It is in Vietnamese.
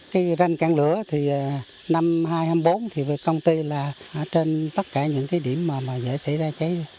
cái ranh can lửa thì năm hai hai mươi bốn thì công ty là ở trên tất cả những cái điểm mà dễ xảy ra cháy